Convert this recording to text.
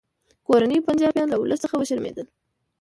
کورني پنجابیان له ولس څخه وشرمیدل